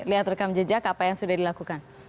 lihat rekam jejak apa yang sudah dilakukan